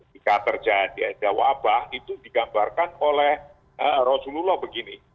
jika terjadi ada wabah itu digambarkan oleh rasulullah begini